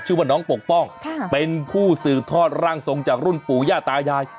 ชื่อว่าน้องปกป้องเป็นผู้สืบทอดร่างทรงจากรุ่นปู่ย่าตายาย